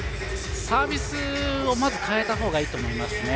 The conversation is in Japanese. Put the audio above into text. サービスを変えた方がいいと思います。